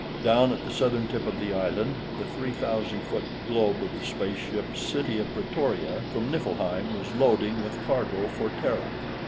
Down at the southern tip of the island, the three thousand foot globe of the spaceship City of Pretoria, from Niflheim, was loading with cargo for Terra.